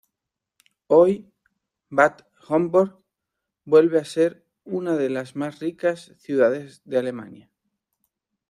Hoy, Bad Homburg vuelve a ser una de los más ricas ciudades de Alemania.